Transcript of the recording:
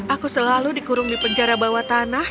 aku selalu dikurung di penjara bawah tanah